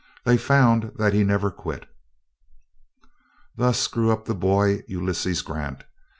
They found that he never quit. Thus grew up the boy, Ulysses Grant.